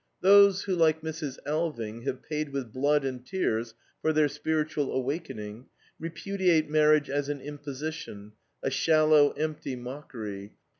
Those who, like Mrs. Alving, have paid with blood and tears for their spiritual awakening, repudiate marriage as an imposition, a shallow, empty mockery.